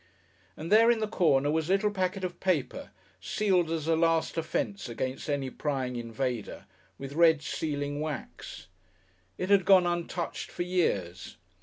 And there, in the corner, was a little packet of paper, sealed as a last defence against any prying invader, with red sealing wax. It had gone untouched for years.